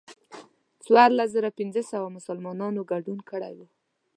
څوارلس زره پنځه سوه مسلمانانو ګډون کړی و.